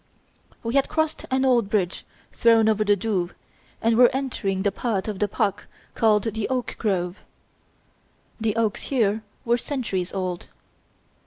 We had crossed an old bridge thrown over the Douve and were entering the part of the park called the Oak Grove, The oaks here were centuries old.